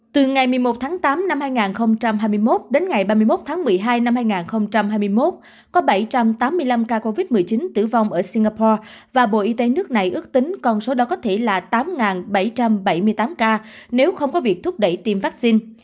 từ ngày một mươi một tháng tám năm hai nghìn hai mươi một đến ngày ba mươi một tháng một mươi hai năm hai nghìn hai mươi một có bảy trăm tám mươi năm ca covid một mươi chín tử vong ở singapore và bộ y tế nước này ước tính con số đó có thể là tám bảy trăm bảy mươi tám ca nếu không có việc thúc đẩy tiêm vaccine